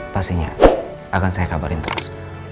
pastinya akan saya kabarin terus